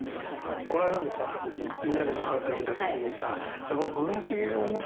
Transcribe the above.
この間もさみんなでご飯食べたときにさ。